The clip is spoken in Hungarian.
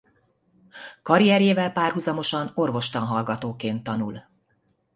Karrierjével párhuzamosan orvostanhallgatóként tanul.